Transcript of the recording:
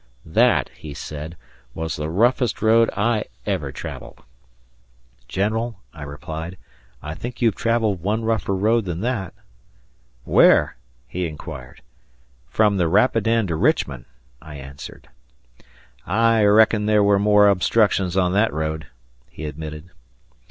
"That," he said, "was the roughest road I ever traveled." "General," I replied, "I think you have traveled one rougher road than that." "Where?" he inquired. "From the Rapidan to Richmond," I answered. "I reckon there were more obstructions on that road," he admitted.